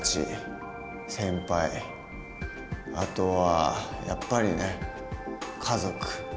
あとはやっぱりね家族。